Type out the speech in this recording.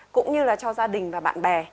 cũng như là cho gia đình và bạn bè